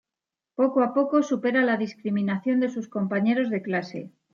Poco a poco supera la discriminación de sus compañeros de clase.